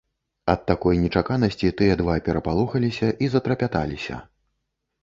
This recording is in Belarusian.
Ад такой нечаканасці тыя два перапалохаліся і затрапяталіся.